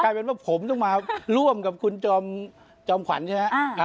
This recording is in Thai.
เป็นว่าผมต้องมาร่วมกับคุณจอมขวัญใช่ไหม